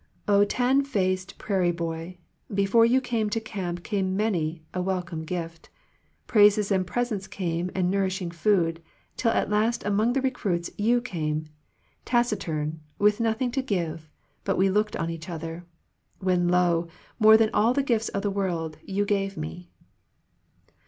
"O tan faced prairie boy, Before you came to camp came many a welcome gift, Praises and presents came and nourishing food, tiH at last among the recruits You came, taciturn, with nothing to give — we but looked on each other, When lo I more than all the gifts of the world you gave me."